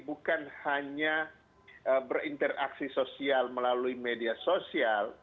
bukan hanya berinteraksi sosial melalui media sosial